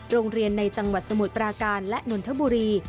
โรงเรียนในจังหวัดสมุดปราการและนทบุรี